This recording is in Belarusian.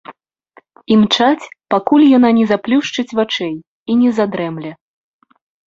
Імчаць, пакуль яна не заплюшчыць вачэй і не задрэмле.